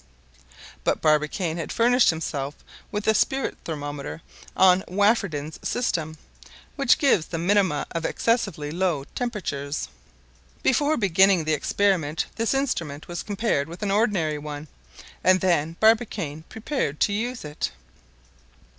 But Barbicane had furnished himself with a spirit thermometer on Wafferdin's system, which gives the minima of excessively low temperatures. Before beginning the experiment, this instrument was compared with an ordinary one, and then Barbicane prepared to use it.